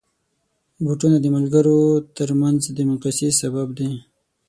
بوټونه د ملګرو ترمنځ د مقایسې سبب دي.